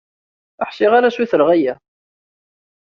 Ur ḥṣiɣ ara sutreɣ aya.